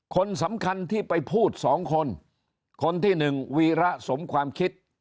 คนสำคัญที่ไปพูดสองคนคนที่หนึ่งวีระสมความคิด